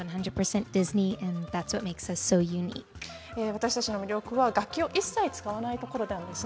私たちの魅力は楽器を一切使わないところです。